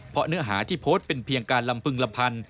เพราะเนื้อหาที่โพสต์เป็นเพียงการลำพึงลำพัน